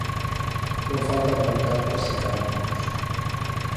Non faltan pancartas e cánticos.